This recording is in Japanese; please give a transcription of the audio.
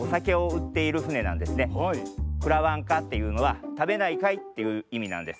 「くらわんか」っていうのは「たべないかい？」っていういみなんです。